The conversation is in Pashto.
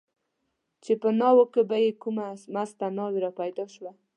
چې په ناوو کې به چې کومه مسته ناوې را پیدا شوه.